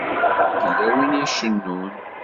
Yella win i icennun.